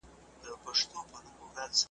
زه په دې ملنګه ورځ خسرو سمه قباد سمه `